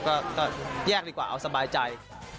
ก็แยกดีกว่าเอาสบายใจ